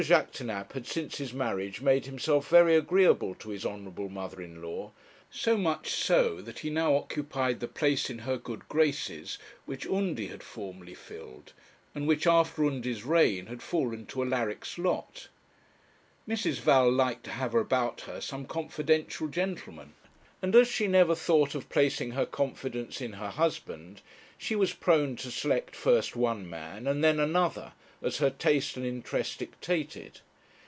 Jaquêtanàpe had since his marriage made himself very agreeable to his honourable mother in law, so much so that he now occupied the place in her good graces which Undy had formerly filled, and which after Undy's reign had fallen to Alaric's lot. Mrs. Val liked to have about her some confidential gentleman; and as she never thought of placing her confidence in her husband, she was prone to select first one man and then another as her taste and interest dictated.